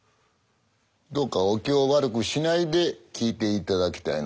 どうかお気を悪くしないで聞いていただきたいのですが。